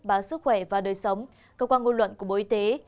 báo sức khỏe và đời sống cơ quan ngôn luận của bộ y tế